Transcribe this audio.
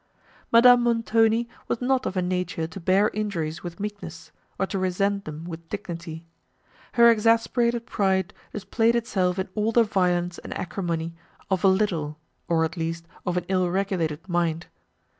Madame Montoni was not of a nature to bear injuries with meekness, or to resent them with dignity: her exasperated pride displayed itself in all the violence and acrimony of a little, or at least of an ill regulated mind.